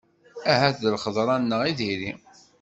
Ahat d lxeḍra-nneɣ i diri.